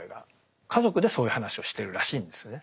家族でそういう話をしてるらしいんですね。